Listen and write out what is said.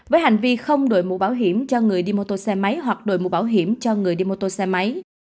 với hành vi không đổi mũ bảo hiểm cho người đi mô tô xe máy hoặc đổi mũ bảo hiểm cho người đi mô tô xe máy